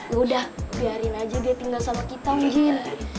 yaudah biarin aja dia tinggal sama kita om jin